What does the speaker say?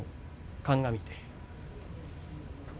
鑑みて。